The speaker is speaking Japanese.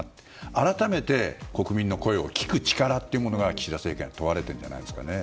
改めて国民の声を聴く力が岸田政権に問われているんじゃないですかね。